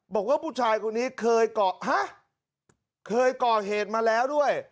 บอกว่าผู้ชายคนนี้เคยเกาะฮะเคยก่อเหตุมาแล้วด้วย